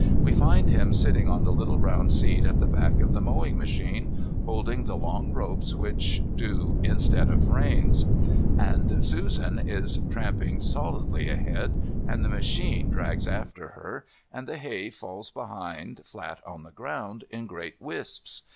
We find him sitting on the little round seat at the back of the mowing machine holding the long ropes which do instead of reins. And Susan is tramping solidly ahead, and the machine drags after her, and the hay falls behind flat on the ground in great wisps.